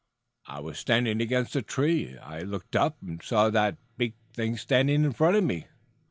"I was standing against a tree. I looked up and saw that big thing standing in front of me.